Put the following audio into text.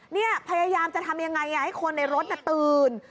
นี่พยายามจะทำยังไงให้คนในรถตื่น